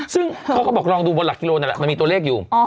ซึ่งเขาก็บอกลองดูบนหลักกิโลนั่นแหละมันมีตัวเลขอยู่